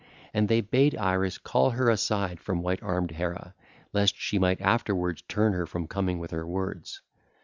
And they bade Iris call her aside from white armed Hera, lest she might afterwards turn her from coming with her words.